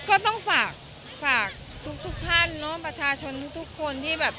ก็ต้องฝากทุกท่านเนอะประชาชนทุกคนที่แบบ